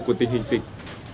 của tình hình dịch